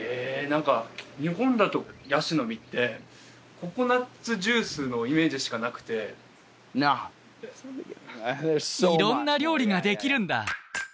何か日本だとヤシの実ってココナッツジュースのイメージしかなくてノー色んな料理ができるんだ